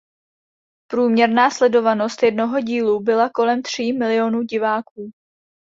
Průměrná sledovanost jednoho dílu byla kolem tří milionů diváků.